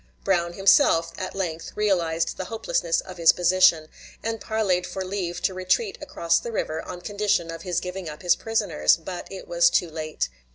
Brown himself at length realized the hopelessness of his position, and parleyed for leave to retreat across the river on condition of his giving up his prisoners; but it was too late.